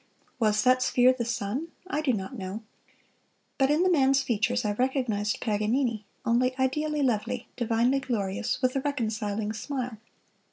Was that sphere the sun? I do not know. But in the man's features I recognized Paganini, only ideally lovely, divinely glorious, with a reconciling smile.